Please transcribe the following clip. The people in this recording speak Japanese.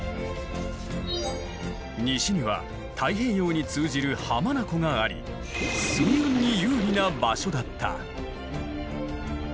西には太平洋に通じる浜名湖があり水運に有利な場所だった。